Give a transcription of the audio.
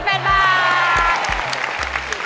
๘บาท